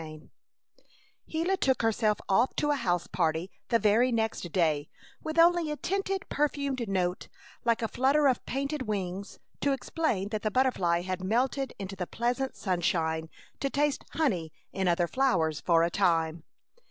CHAPTER XXV Gila took herself off to a house party the very next day, with only a tinted, perfumed note, like a flutter of painted wings, to explain that the butterfly had melted into the pleasant sunshine to taste honey in other flowers for a time.